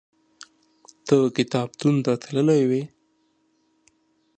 ته کتابتون ته تللی وې؟